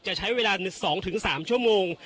จะใช้เวลา๒๓ชั่วโมง